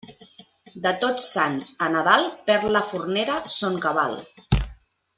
De Tots Sants a Nadal perd la fornera son cabal.